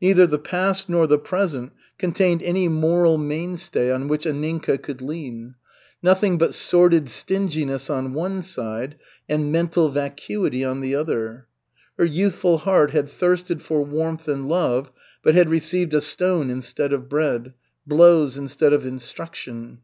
Neither the past nor the present contained any moral mainstay on which Anninka could lean. Nothing but sordid stinginess on one side, and mental vacuity on the other. Her youthful heart had thirsted for warmth and love, but had received a stone instead of bread, blows instead of instruction.